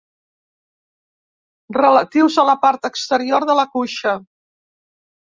Relatius a la part exterior de la cuixa.